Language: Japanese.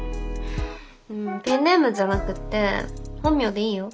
ペンネームじゃなくって本名でいいよ。